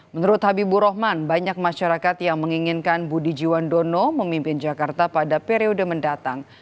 menurut habibur rahman banyak masyarakat yang menginginkan budi jiwandono memimpin jakarta pada periode mendatang